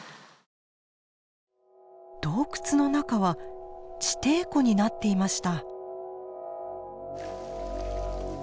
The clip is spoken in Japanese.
洞窟の中は地底湖になっていました。